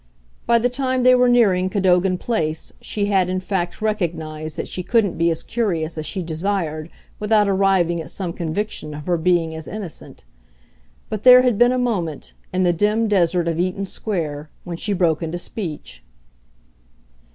By the time they were nearing Cadogan Place she had in fact recognised that she couldn't be as curious as she desired without arriving at some conviction of her being as innocent. But there had been a moment, in the dim desert of Eaton Square, when she broke into speech.